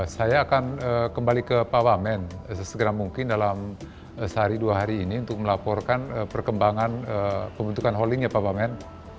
saya akan kembali ke pak wamen sesegera mungkin dalam sehari dua hari ini untuk melaporkan perkembangan pembentukan holding ya pak wamen